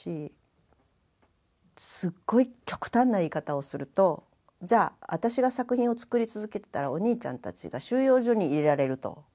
すっごい極端な言い方をするとじゃあ私が作品を作り続けてたらお兄ちゃんたちが収容所に入れられると。